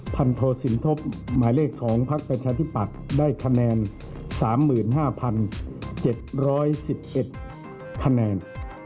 พันโทสินทบหมายเลข๒พักประชาธิปัตย์ได้คะแนน๓๕๗๑๑คะแนน